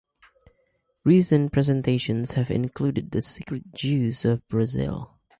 Recent presentations have included The Secret Jews of Brazil.